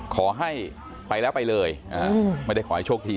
ขอให้ไปแล้วไปเลยไม่ได้ขอให้โชคดี